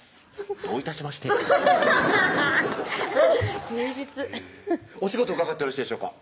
どういたしまして誠実お仕事伺ってよろしいでしょうか